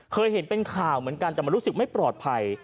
เคยเห็นเป็นข่าวเหมือนกันแต่มันรู้สึกไม่ปลอดภัย